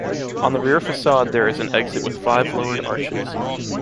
On the rear facade there is an exit with five lowered arches.